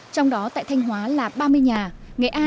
trong đó tại thanh hóa là ba mươi nhà